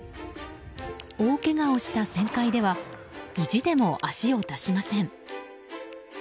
大けがをした旋回では意地でも足を出しません。